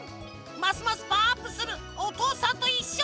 ますますパワーアップする「おとうさんといっしょ」